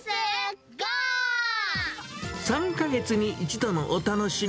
３か月に１度のお楽しみ。